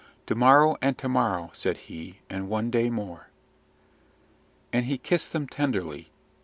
"Tomorrow and tomorrow," said he, "and one day more!" And he kissed them tenderly.